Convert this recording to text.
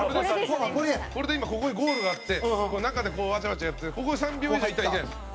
これで、今ここにゴールがあって中で、ワチャワチャやってここに３秒以上いたらいけないんです。